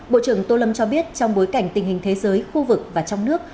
bộ trưởng tô lâm cho biết trong bối cảnh tình hình thế giới khu vực và trong nước